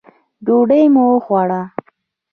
ډوډۍ مو وخوړه.